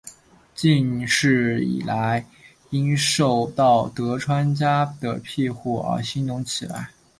近世以来因受到德川家的庇佑而兴隆起来。